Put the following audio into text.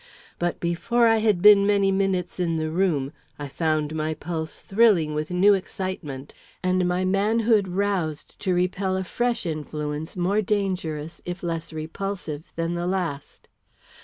But before I had been many minutes in the room, I found my pulse thrilling with new excitement and my manhood roused to repel a fresh influence more dangerous, if less repulsive, than the last.